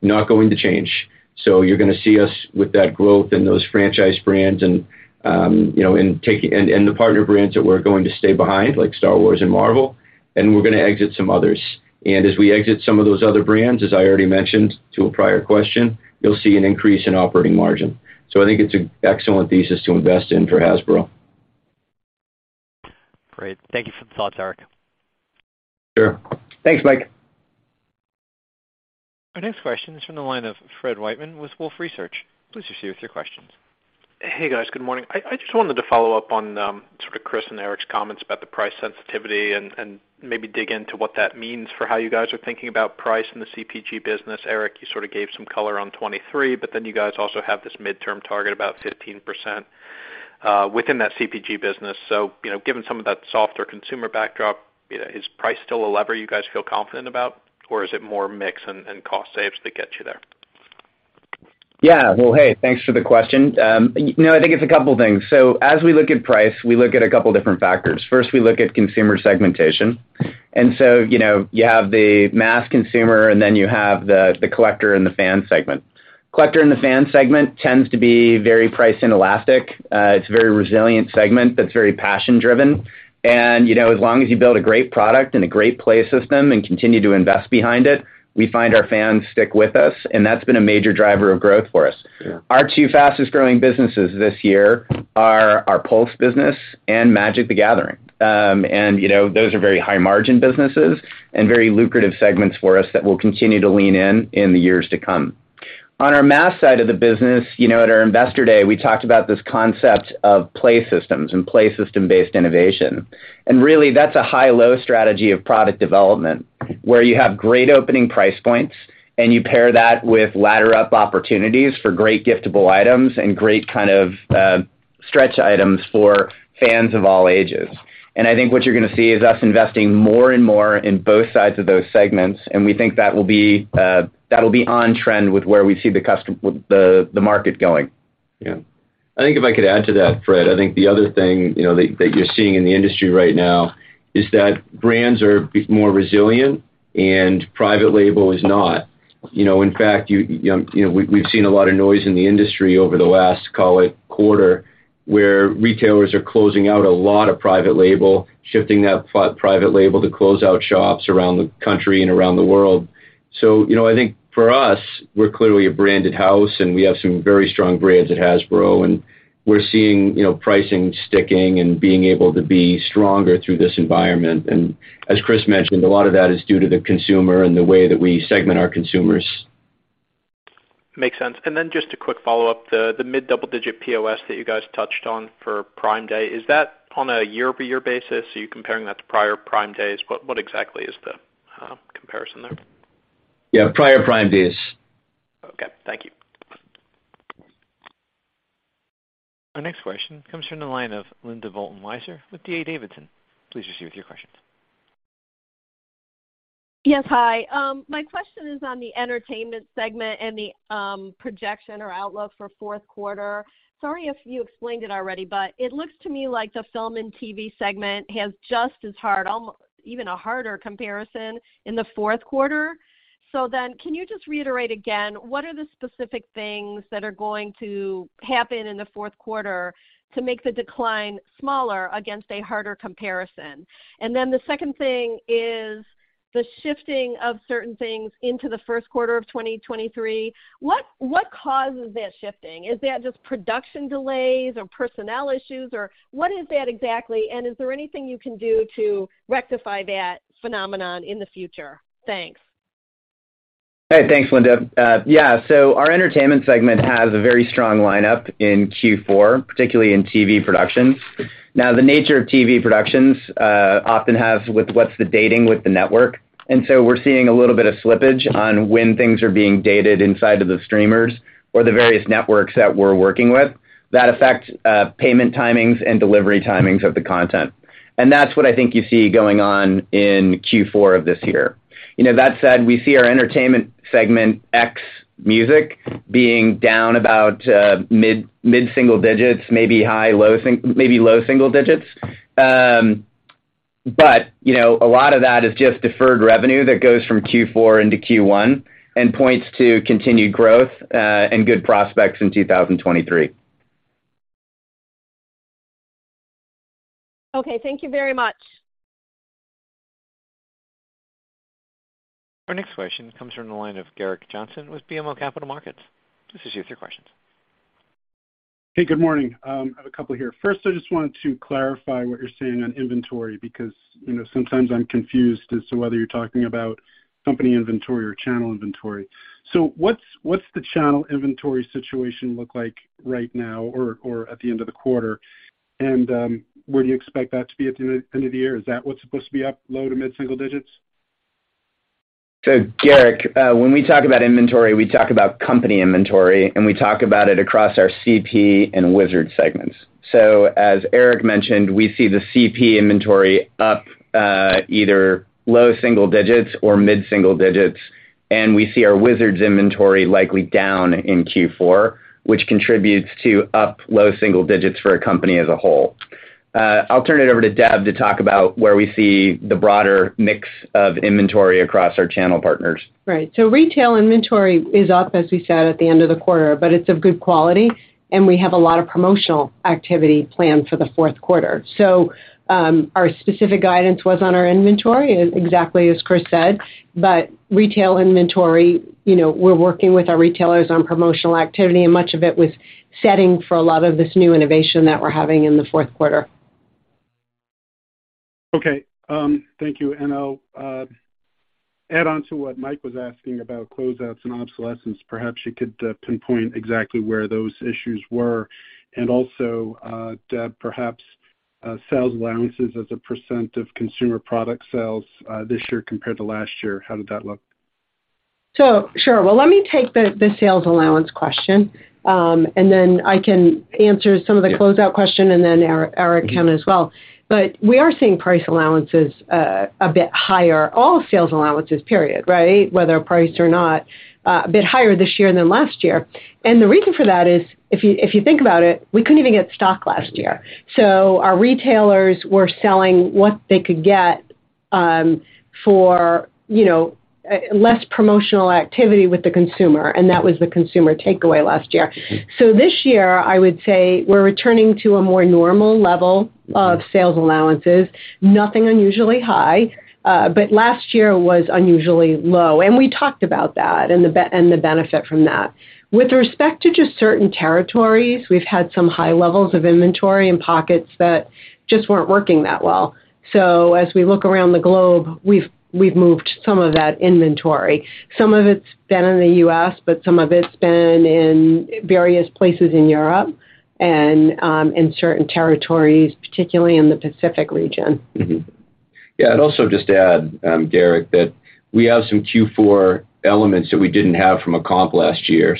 not going to change. You're gonna see us with that growth in those Franchise Brands and, you know, the Partner Brands that we're going to stand behind, like Star Wars and Marvel, and we're gonna exit some others. As we exit some of those other brands, as I already mentioned to a prior question, you'll see an increase in operating margin. I think it's an excellent thesis to invest in for Hasbro. Great. Thank you for the thoughts, Eric. Sure. Thanks, Mike. Our next question is from the line of Fred Wightman with Wolfe Research. Please proceed with your questions. Hey, guys. Good morning. I just wanted to follow up on sort of Chris and Eric's comments about the price sensitivity and maybe dig into what that means for how you guys are thinking about price in the CPG business. Eric, you sort of gave some color on 2023, but then you guys also have this midterm target about 15% within that CPG business. You know, given some of that softer consumer backdrop, you know, is price still a lever you guys feel confident about, or is it more mix and cost saves that get you there? Yeah. Well, hey, thanks for the question. You know, I think it's a couple things. As we look at price, we look at a couple different factors. First, we look at consumer segmentation. You know, you have the mass consumer, and then you have the collector and the fan segment, which tends to be very price inelastic. It's a very resilient segment that's very passion-driven. You know, as long as you build a great product and a great play system and continue to invest behind it, we find our fans stick with us, and that's been a major driver of growth for us. Yeah. Our two fastest-growing businesses this year are our Hasbro Pulse business and Magic: The Gathering. You know, those are very high margin businesses and very lucrative segments for us that we'll continue to lean in in the years to come. On our mass side of the business, you know, at our investor day, we talked about this concept of play systems and play system-based innovation. Really, that's a high-low strategy of product development where you have great opening price points, and you pair that with ladder-up opportunities for great giftable items and great kind of stretch items for fans of all ages. I think what you're gonna see is us investing more and more in both sides of those segments, and we think that will be on trend with where we see the market going. Yeah. I think if I could add to that, Fred, I think the other thing, you know, that you're seeing in the industry right now is that brands are more resilient and private label is not. You know, in fact, you know, we've seen a lot of noise in the industry over the last, call it, quarter, where retailers are closing out a lot of private label, shifting that private label to closeout shops around the country and around the world. You know, I think for us, we're clearly a branded house, and we have some very strong brands at Hasbro, and we're seeing, you know, pricing sticking and being able to be stronger through this environment. As Chris mentioned, a lot of that is due to the consumer and the way that we segment our consumers. Makes sense. Just a quick follow-up. The mid-double-digit POS that you guys touched on for Prime Day, is that on a year-over-year basis? Are you comparing that to prior Prime Days? What exactly is the comparison there? Yeah, prior Prime Days. Okay, thank you. Our next question comes from the line of Linda Bolton Weiser with D.A. Davidson. Please proceed with your questions. Yes. Hi. My question is on the entertainment segment and the projection or outlook for fourth quarter. Sorry if you explained it already, but it looks to me like the film and TV segment has just as hard, even a harder comparison in the fourth quarter. Can you just reiterate again, what are the specific things that are going to happen in the fourth quarter to make the decline smaller against a harder comparison? The second thing is the shifting of certain things into the first quarter of 2023. What causes that shifting? Is that just production delays or personnel issues or what is that exactly? And is there anything you can do to rectify that phenomenon in the future? Thanks. Hey, thanks, Linda. So our entertainment segment has a very strong lineup in Q4, particularly in TV productions. Now, the nature of TV productions often has to do with what's dictated by the network. We're seeing a little bit of slippage on when things are being dated inside of the streamers or the various networks that we're working with. That affects payment timings and delivery timings of the content. That's what I think you see going on in Q4 of this year. That said, we see our entertainment segment ex music being down about mid single digits, maybe low single digits. A lot of that is just deferred revenue that goes from Q4 into Q1 and points to continued growth and good prospects in 2023. Okay, thank you very much. Our next question comes from the line of Gerrick Johnson with BMO Capital Markets. Please proceed with your questions. Hey, good morning. I have a couple here. First, I just wanted to clarify what you're saying on inventory because, you know, sometimes I'm confused as to whether you're talking about company inventory or channel inventory. So what's the channel inventory situation look like right now or at the end of the quarter? Where do you expect that to be at the end of the year? Is that what's supposed to be up low- to mid-single digits? Gerrick, when we talk about inventory, we talk about company inventory, and we talk about it across our CP and Wizards segments. As Eric mentioned, we see the CP inventory up either low single digits or mid-single digits, and we see our Wizards inventory likely down in Q4, which contributes to up low single digits for a company as a whole. I'll turn it over to Deb to talk about where we see the broader mix of inventory across our channel partners. Right. Retail inventory is up, as we said, at the end of the quarter, but it's of good quality, and we have a lot of promotional activity planned for the fourth quarter. Our specific guidance was on our inventory, exactly as Chris said. Retail inventory, you know, we're working with our retailers on promotional activity, and much of it was setting for a lot of this new innovation that we're having in the fourth quarter. Thank you. I'll add on to what Mike was asking about closeouts and obsolescence. Perhaps you could pinpoint exactly where those issues were. Also, Deb, perhaps sales allowances as a percent of consumer product sales this year compared to last year. How did that look? Well, let me take the sales allowance question, and then I can answer some of the closeout question and then Eric can as well. We are seeing price allowances a bit higher, all sales allowances, period, right? Whether priced or not, a bit higher this year than last year. The reason for that is if you think about it, we couldn't even get stock last year. Our retailers were selling what they could get, you know, for less promotional activity with the consumer, and that was the consumer takeaway last year. This year, I would say we're returning to a more normal level of sales allowances, nothing unusually high, but last year was unusually low, and we talked about that and the benefit from that. With respect to just certain territories, we've had some high levels of inventory in pockets that just weren't working that well. As we look around the globe, we've moved some of that inventory. Some of it's been in the U.S., but some of it's been in various places in Europe and in certain territories, particularly in the Pacific region. Mm-hmm. Yeah. I'd also just add, Gerrick, that we have some Q4 elements that we didn't have from a comp last year.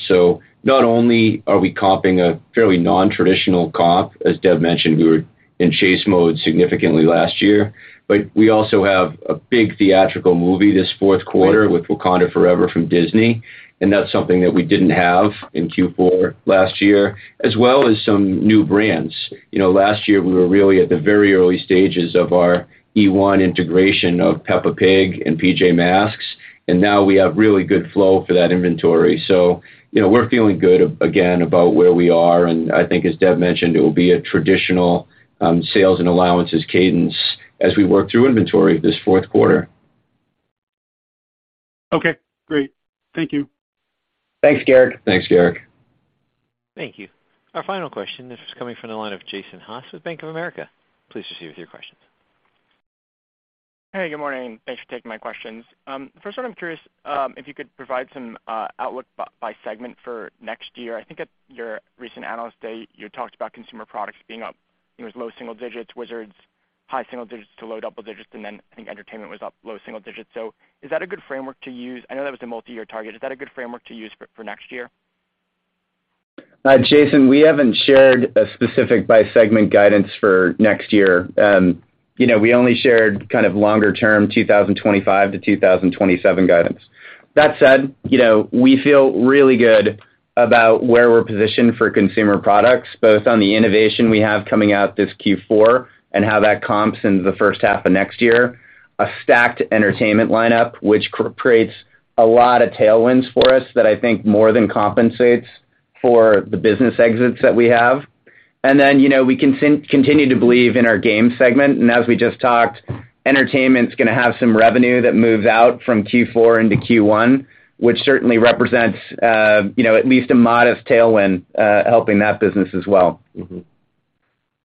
Not only are we comping a fairly non-traditional comp, as Deb mentioned, we were in chase mode significantly last year, but we also have a big theatrical movie this fourth quarter with Wakanda Forever from Disney, and that's something that we didn't have in Q4 last year, as well as some new brands. You know, last year, we were really at the very early stages of our eOne integration of Peppa Pig and PJ Masks, and now we have really good flow for that inventory. You know, we're feeling good, again, about where we are, and I think as Deb mentioned, it will be a traditional, sales and allowances cadence as we work through inventory this fourth quarter. Okay, great. Thank you. Thanks, Gerrick. Thanks, Gerrick. Thank you. Our final question, this is coming from the line of Jason Haas with Bank of America. Please proceed with your questions. Hey, good morning. Thanks for taking my questions. First one, I'm curious if you could provide some outlook by segment for next year. I think at your recent Analyst Day, you talked about consumer products being up, it was low single-digit%, Wizards high single-digit% to low double-digit%, and then I think entertainment was up low single-digit%. Is that a good framework to use? I know that was a multi-year target. Is that a good framework to use for next year? Jason, we haven't shared a specific by segment guidance for next year. You know, we only shared kind of longer-term 2025-2027 guidance. That said, you know, we feel really good about where we're positioned for consumer products, both on the innovation we have coming out this Q4 and how that comps into the first half of next year, a stacked entertainment lineup, which creates a lot of tailwinds for us that I think more than compensates for the business exits that we have. You know, we continue to believe in our game segment. As we just talked, entertainment's gonna have some revenue that moves out from Q4 into Q1, which certainly represents you know at least a modest tailwind helping that business as well.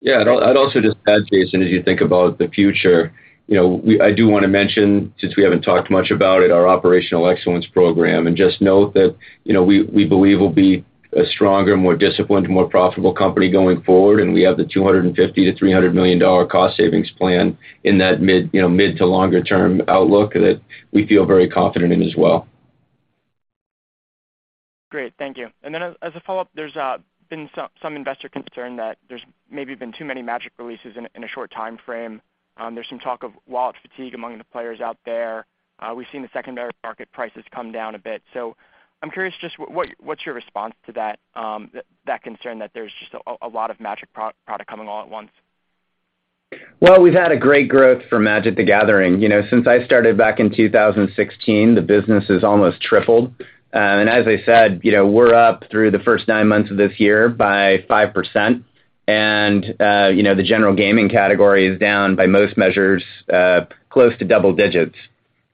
I'd also just add, Jason, as you think about the future, you know, I do wanna mention, since we haven't talked much about it, our operational excellence program, and just note that, you know, we believe we'll be a stronger, more disciplined, more profitable company going forward, and we have the $250 million-$300 million cost savings plan in that mid, you know, mid to longer term outlook that we feel very confident in as well. Great. Thank you. As a follow-up, there's been some investor concern that there's maybe been too many Magic releases in a short timeframe. There's some talk of wallet fatigue among the players out there. We've seen the secondary market prices come down a bit. I'm curious just what your response to that concern that there's just a lot of Magic product coming all at once? Well, we've had a great growth for Magic: The Gathering. You know, since I started back in 2016, the business has almost tripled. As I said, you know, we're up through the first 9 months of this year by 5%. You know, the general gaming category is down by most measures, close to double digits.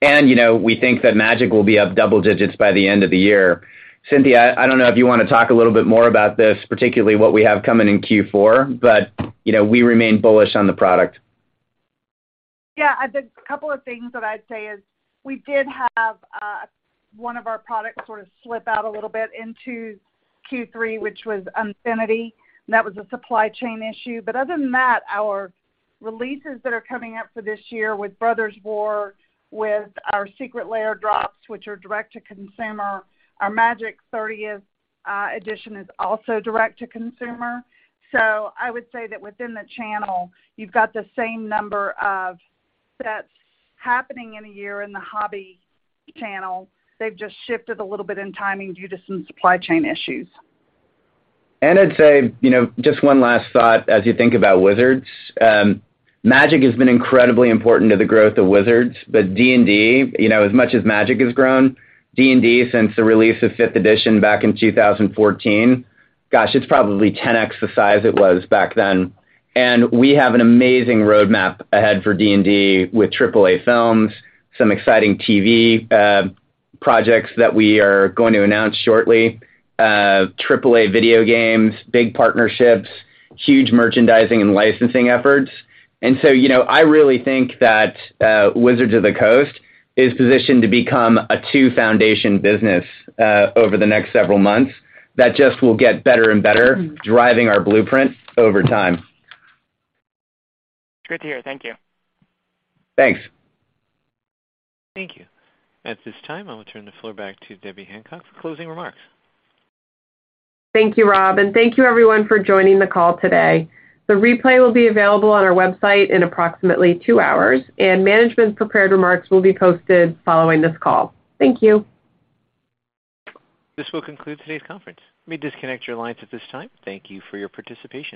You know, we think that Magic will be up double digits by the end of the year. Cynthia, I don't know if you wanna talk a little bit more about this, particularly what we have coming in Q4, but, you know, we remain bullish on the product. Yeah. I think a couple of things that I'd say is we did have one of our products sort of slip out a little bit into Q3, which was Unfinity. That was a supply chain issue. Other than that, our releases that are coming up for this year with Brothers' War, with our Secret Lair drops, which are direct to consumer, our Magic 30th edition is also direct to consumer. I would say that within the channel, you've got the same number of sets happening in a year in the hobby channel. They've just shifted a little bit in timing due to some supply chain issues. I'd say, you know, just one last thought as you think about Wizards. Magic has been incredibly important to the growth of Wizards, but D&D, you know, as much as Magic has grown, D&D since the release of fifth edition back in 2014, it's probably 10x the size it was back then. We have an amazing roadmap ahead for D&D with AAA films, some exciting TV projects that we are going to announce shortly, AAA video games, big partnerships, huge merchandising and licensing efforts. You know, I really think that Wizards of the Coast is positioned to become a two-foundation business over the next several months that just will get better and better, driving our blueprint over time. Great to hear. Thank you. Thanks. Thank you. At this time, I will turn the floor back to Debbie Hancock for closing remarks. Thank you, Rob, and thank you everyone for joining the call today. The replay will be available on our website in approximately two hours, and management's prepared remarks will be posted following this call. Thank you. This will conclude today's conference. You may disconnect your lines at this time. Thank you for your participation.